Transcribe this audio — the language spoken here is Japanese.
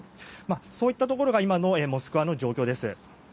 そういったところが今のモスクワの状況です。